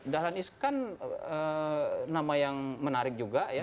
dahlan iskan nama yang menarik juga ya